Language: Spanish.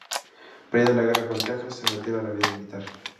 Perdida la guerra con Texas, se retira de la vida militar.